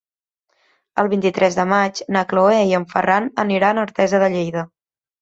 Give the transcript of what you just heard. El vint-i-tres de maig na Cloè i en Ferran aniran a Artesa de Lleida.